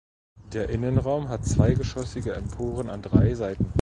Der Innenraum hat zweigeschossige Emporen an drei Seiten.